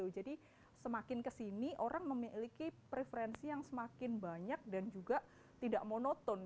jadi semakin kesini orang memiliki preferensi yang semakin banyak dan juga tidak monoton